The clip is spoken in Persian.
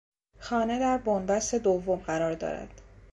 خانه در بنبست دوم قرار دارد.